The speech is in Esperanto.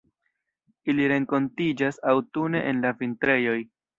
Ili renkontiĝas aŭtune en la vintrejoj.